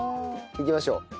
いきましょう。